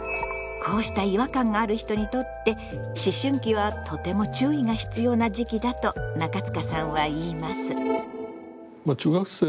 こうした違和感がある人にとって思春期はとても注意が必要な時期だと中塚さんは言います。